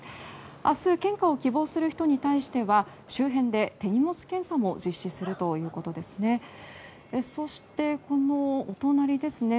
明日、献花を希望する人に対しては周辺で手荷物検査も実施するということですね。